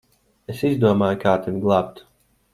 Es izdomāju, kā tevi glābt.